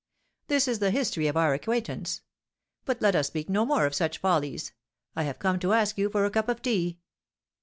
This is the history of our acquaintance. But let us speak no more of such follies. I have come to ask you for a cup of tea."